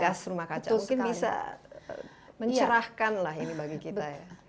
gas rumah kaca mungkin bisa mencerahkan lah ini bagi kita ya